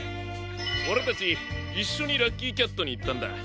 オレたちいっしょにラッキーキャットにいったんだ。